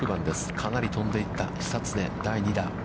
かなり飛んでいった久常第２打。